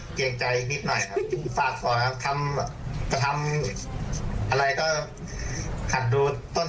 พี่แลกไลน์มาด้วยนะแลกไลน์มาด้วย